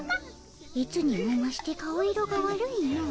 いつにもまして顔色が悪いの。